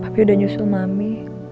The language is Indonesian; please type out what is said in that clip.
papi udah nyusul mami